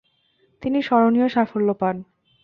তিনি স্মরণীয় সাফল্য পান।